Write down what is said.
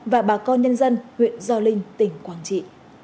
và bà con nhân dân huyện gio linh tỉnh quảng trị